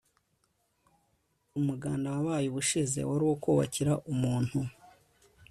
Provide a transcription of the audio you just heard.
umuganda wabaye ubushize waruwo kubakira umuntu